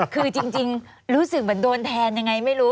คือจริงรู้สึกเหมือนโดนแทนยังไงไม่รู้